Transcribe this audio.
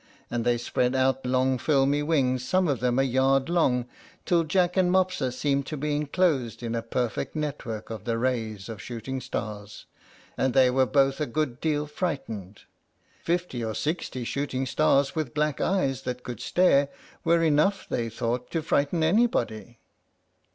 And they spread out long filmy wings, some of them a yard long, till Jack and Mopsa seemed to be enclosed in a perfect network of the rays of shooting stars, and they were both a good deal frightened. Fifty or sixty shooting stars, with black eyes that could stare, were enough, they thought, to frighten anybody.